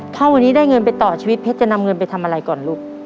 ถ้าวันนี้ได้เงินไปต่อชีวิตเพชรจะนำเงินไปทำอะไรก่อนลูก